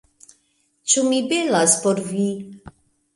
- Ĉu mi belas por vi?